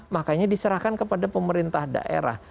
makanya diserahkan kepada pemerintah daerah